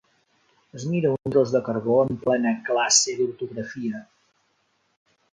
Es mira un tros de carbó en plena classe d'ortografia.